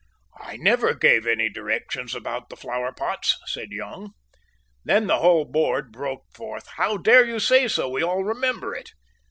"I never gave any directions about the flowerpots," said Young. Then the whole board broke forth. "How dare you say so? We all remember it."